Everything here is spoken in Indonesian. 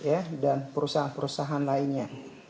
ya dan perusahaan perusahaan lainnya